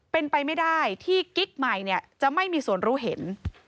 เป็นไปไม่ได้ที่กิ๊กใหม่จะไม่มีส่วนรู้เห็น